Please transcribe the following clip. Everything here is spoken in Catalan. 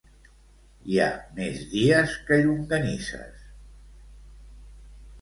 Hi ha més dies que llonganisses